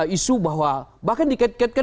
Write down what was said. isu bahwa bahkan diket ketkan